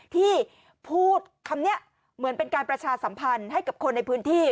ที่พูดคำนี้เหมือนเป็นการประชาสัมพันธ์ให้กับคนในพื้นที่